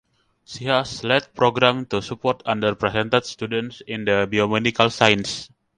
She has led programs to support underrepresented students in the biomedical sciences.